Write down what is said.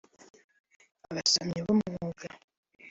Abasomyi b’umwuga